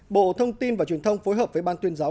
bộ thông tin và truyền thông phối hợp với ban tuyên giáo